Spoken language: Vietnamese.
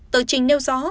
tờ trình nêu rõ